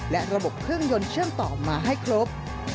และระบบเครื่องยนต์เชื่อมต่อมาให้ครบ